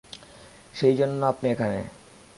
সেজন্যই আপনি এখানে।